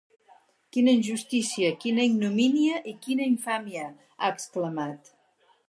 Quina injustícia, quina ignomínia i quina infàmia!, ha exclamat.